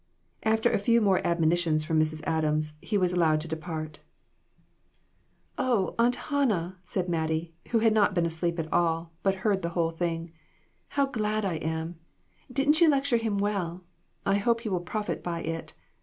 After a few more admonitions from Mrs. Adams, he was allowed to depart. "Oh, Aunt Hannah!" said Mattie, who had not been asleep at all, but heard the whole thing, "how glad I am! Didn't you lecture him well? I hope he will profit by it."